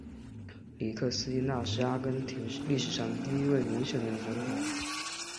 克里斯蒂娜是阿根廷历史上第一位民选的女总统。